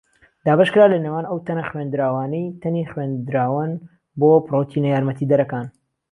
دابەشکرا لە نێوان ئەو تەنە خوێندراوانەی تەنی خوێندراوەن بۆ پڕۆتیەنە یارمەتیدەرەکان.